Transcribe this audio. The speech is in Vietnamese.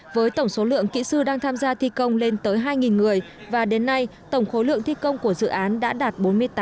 với tổng số lượng kỹ sư đang tham gia thi công lên tới hai người và đến nay tổng khối lượng thi công của dự án đã đạt bốn mươi tám tám